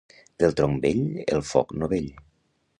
Del tronc vell, el foc novell.